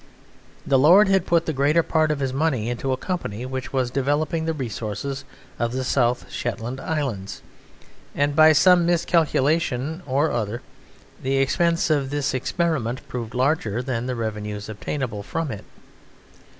The lord had put the greater part of his money into a company which was developing the resources of the South Shetland Islands, and by some miscalculation or other the expense of this experiment proved larger than the revenues obtainable from it.